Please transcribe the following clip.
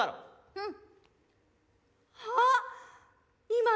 うん。